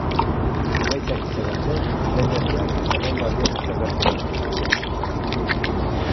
Emaitzak izan arte, bidaiariak berrogeialdian izan beharko dira, etxean.